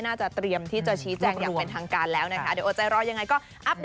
น่าจะเตรียมที่จะชี้แจงอย่างเป็นทางการแล้วนะครับ